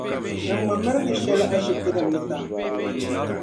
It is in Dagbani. Niŋmi mirigi'shɛli ashibitinim ni ti a.